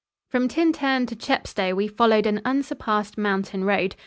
From Tintern to Chepstow we followed an unsurpassed mountain road.